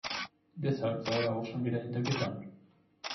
Deshalb sei er auch schon wieder hinter Gittern.